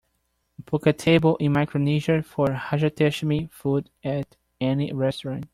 book a table in Micronesia for rajasthani food at any restaurant